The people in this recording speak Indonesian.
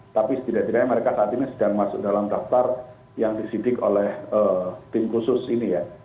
tapi setidak tidaknya mereka saat ini sedang masuk dalam daftar yang disidik oleh tim khusus ini ya